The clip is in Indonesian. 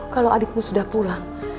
kalau adikmu sudah pulang